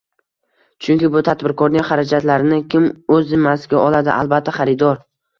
Chunki bu tadbirkorning xarajatlarini kim o'z zimmasiga oladi? Albatta xaridor